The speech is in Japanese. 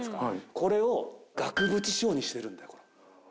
これを額縁仕様にしてるんだよ、これ。